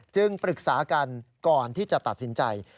ปรึกษากันก่อนที่จะตัดสินใจ